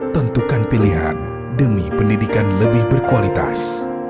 tentukan pilihan demi pendidikan lebih berkualitas